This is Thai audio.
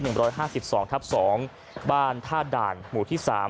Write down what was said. ร้อยห้าสิบสองทับสองบ้านท่าด่านหมู่ที่สาม